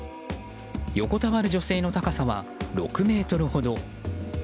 横たわる女性の高さは６ｍほど。